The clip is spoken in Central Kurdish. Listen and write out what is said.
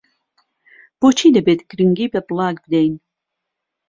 بۆچی دەبێت گرنگی بە بڵاگ بدەین؟